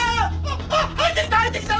あっ入ってきた入ってきた！